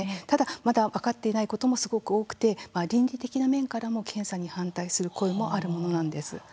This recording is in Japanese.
ただ、まだ分かっていないこともすごく多くて、倫理的な面からも検査に反対する声もあるものなんです。